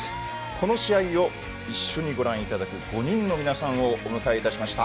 この試合を一緒にご覧いただく５人の皆さんをお迎えいたしました。